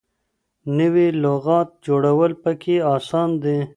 نوې لغات جوړول پکې اسان دي.